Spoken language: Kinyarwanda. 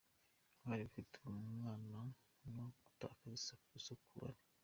Bari bafite umwuma no gutakaza isukari.